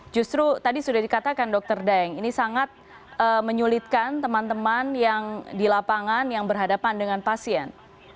justru tadi sudah dikatakan dr daeng ini sangat menyulitkan teman teman yang di lapangan yang berhadapan dengan pasien